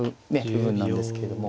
部分なんですけれども。